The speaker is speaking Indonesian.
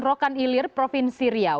rokan ilir provinsi riau